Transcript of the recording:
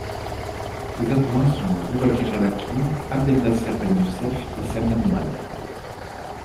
Ses adjoints sont Boubaker El Hakim, Abdelnasser Benyoucef et Samir Nouad.